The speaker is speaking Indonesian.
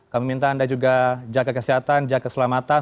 kami minta anda juga jaga kesehatan jaga keselamatan